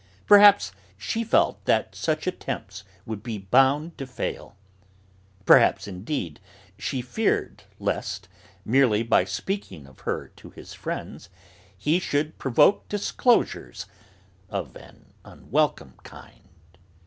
Perhaps she felt that such attempts would be bound to fail; perhaps, indeed, she feared lest, merely by speaking of her to his friends, he should provoke disclosures of an unwelcome kind.